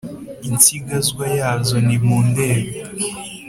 Insigazwa yazo nimundebe"